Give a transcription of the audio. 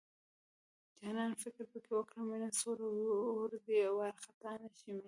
جانانه فکر پکې وکړه مينه سور اور دی وارخطا نشې مينه